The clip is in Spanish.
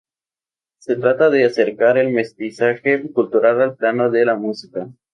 Se trata de acercar el mestizaje cultural al plano de la música.